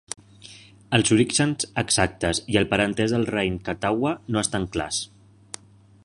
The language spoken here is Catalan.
Els orígens exactes i el parentesc del raïm Catawba no estan clars.